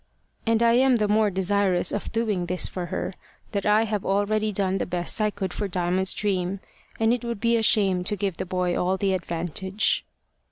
And I am the more desirous of doing this for her that I have already done the best I could for Diamond's dream, and it would be a shame to give the boy all the advantage.